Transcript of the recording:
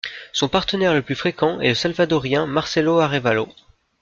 Son partenaire le plus fréquent est le Salvadorien Marcelo Arévalo.